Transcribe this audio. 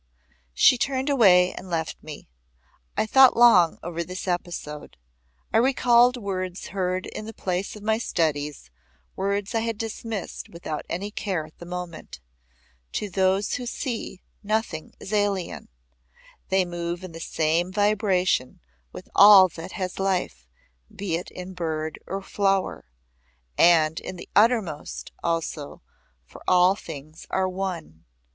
She turned away and left me. I thought long over this episode. I recalled words heard in the place of my studies words I had dismissed without any care at the moment. "To those who see, nothing is alien. They move in the same vibration with all that has life, be it in bird or flower. And in the Uttermost also, for all things are One.